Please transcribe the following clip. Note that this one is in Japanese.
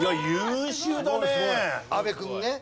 阿部君ね。